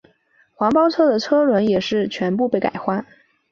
黄包车的车轮也全部被改换。